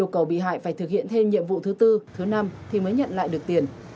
cậu bị hại phải thực hiện thêm nhiệm vụ thứ bốn thứ năm thì mới nhận lại được tiền